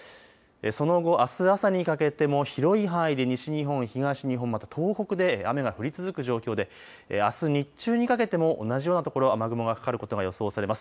その後、あす朝にかけても広い範囲で西日本、東日本、また東北で雨が降り続く状況であす日中にかけても同じようなところ雨雲がかかることが予想されます。